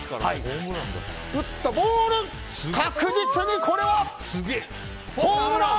打ったボール確実にこれはホームラン！